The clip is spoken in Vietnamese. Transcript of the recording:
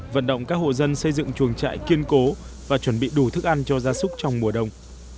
vận động các hộ dân xây dựng chuồng trại kiên cố và chuẩn bị đủ thức ăn cho gia súc trong mùa đông